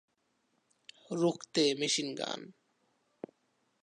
রুখতে মেশিন গান।।